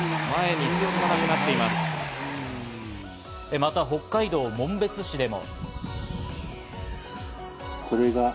また北海道紋別市でも。